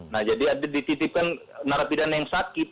nah jadi ada dititipkan narapidana yang sakit